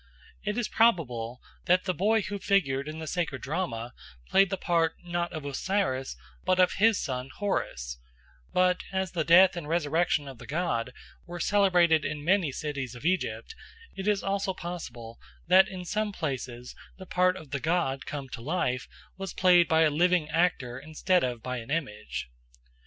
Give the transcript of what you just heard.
It is probable that the boy who figured in the sacred drama played the part, not of Osiris, but of his son Horus; but as the death and resurrection of the god were celebrated in many cities of Egypt, it is also possible that in some places the part of the god come to life was played by a living actor instead of by an image.